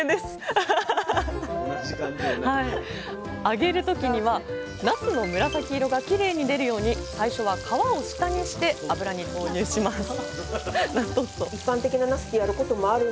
揚げる時にはなすの紫色がきれいに出るように最初は皮を下にして油に投入します